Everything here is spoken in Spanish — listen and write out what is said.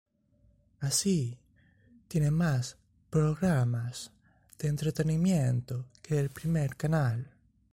Así, tiene más programas de entretenimiento que el primer canal.